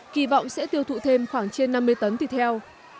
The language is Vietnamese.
kỳ vọng sẽ tiêu thụ thêm khoảng trên năm mươi tấn thịt heo